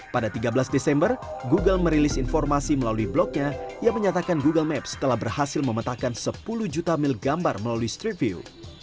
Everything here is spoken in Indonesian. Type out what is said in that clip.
pada tiga belas desember google merilis informasi melalui blognya yang menyatakan google maps telah berhasil memetakan sepuluh juta mil gambar melalui street view